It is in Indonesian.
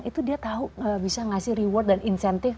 itu dia tahu bisa ngasih reward dan insentif